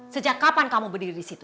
sejak kapan kamu berdiri disitu